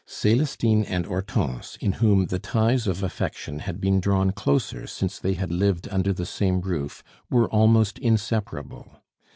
Celestine and Hortense, in whom the ties of affection had been drawn closer since they had lived under the same roof, were almost inseparable.